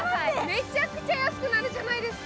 めちゃくちゃ安くなるじゃないですか。